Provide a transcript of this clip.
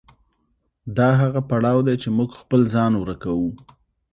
دا هغه پړاو دی چې موږ خپل ځان ورکوو.